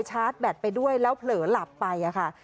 ชาร์จแบตไปด้วยแล้วเผลอหลับไปค่ะ